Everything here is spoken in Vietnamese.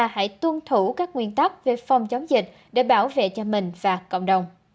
hãy tuân thủ các nguyên tắc về phòng chống dịch để bảo vệ cho mình và cộng đồng